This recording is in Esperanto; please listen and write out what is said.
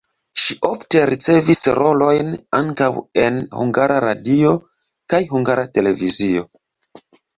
Ŝi ofte ricevis rolojn ankaŭ en Hungara Radio kaj Hungara Televizio.